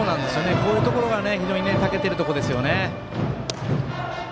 こういうところが、非常にたけているところですよね。